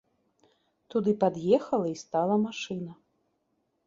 Туды пад'ехала і стала машына.